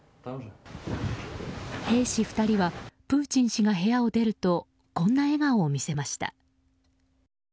兵士２人はプーチン氏が部屋を出るとこんな笑顔を見せました。